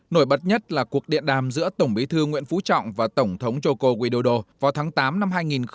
nổi bật nhất là cuộc điện đàm giữa tổng bí thư nguyễn phú trọng và tổng thống yoko widodo vào tháng tám năm hai nghìn hai mươi hai